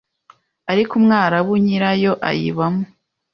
ariko Umwarabu nyirayo ayibamo.